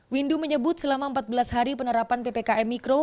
windu menyebut selama empat belas hari penerapan ppkm mikro